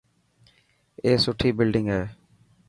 اي سٺي بلڊنگ هي.